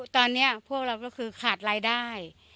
ตอนนี้พวกเราก็คือขาดรายได้